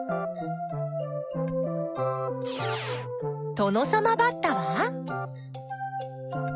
トノサマバッタは？